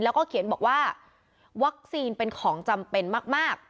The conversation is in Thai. แล้วก็เขียนบอกว่าวัคซีนเป็นของจำเป็นมาก